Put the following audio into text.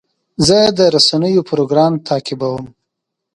زه د رسنیو پروګرام تعقیبوم.